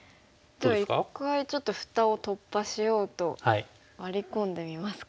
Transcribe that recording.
じゃあ一回ちょっと蓋を突破しようとワリ込んでみますか。